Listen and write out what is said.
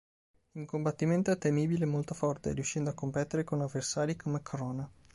In combattimento è temibile e molto forte, riuscendo a competere con avversari come Crona.